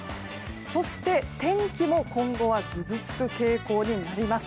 そして天気も今後はぐずつく傾向になります。